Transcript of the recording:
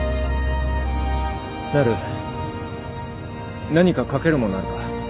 なる何か書けるものあるか？